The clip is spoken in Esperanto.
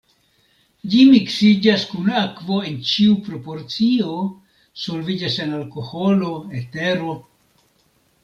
Ĝi miksiĝas kun akvo en ĉiu proporcio, solviĝas en alkoholo, etero.